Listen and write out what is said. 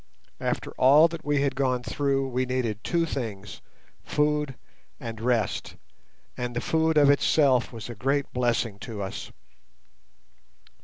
After all that we had gone through we needed two things, food and rest, and the food of itself was a great blessing to us.